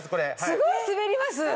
すごい滑ります！